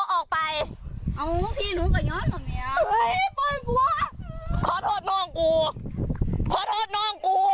ขอโทษน้องกูขอโทษน้องกู